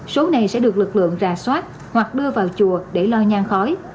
số này sẽ được lực lượng ra soát hoặc đưa vào chùa để lo nhang khói